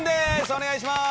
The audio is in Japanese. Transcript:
お願いします！